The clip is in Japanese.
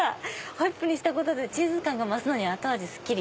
ホイップにしたことでチーズ感が増すのに後味スッキリ！